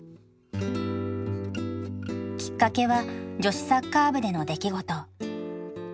きっかけは女子サッカー部での出来事。